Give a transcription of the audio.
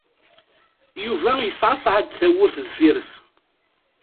Yuba yeṣṣeɛṣeɛ-d tawwurt deffir-s.